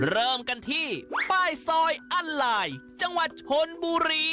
เริ่มกันที่ป้ายซอยอันลายจังหวัดชนบุรี